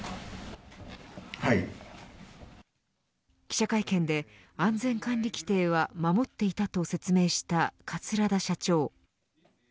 記者会見で安全管理規定は守っていたと説明した桂田社長。